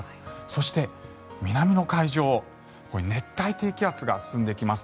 そして南の海上熱帯低気圧が進んできます。